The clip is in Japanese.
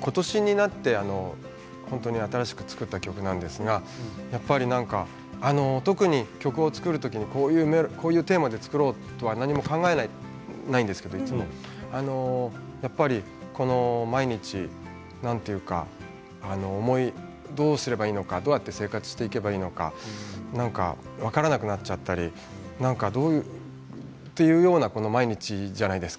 ことしになって新しく作った曲なんですがやっぱりなんか特に曲を作るときにこういうテーマで作ろうとは何も考えないんですけれどいつもやっぱり毎日なんていうかどうすればいいのかどうやって生活をしていけばいいのか分からなくなってしまったりこういうような毎日じゃないですか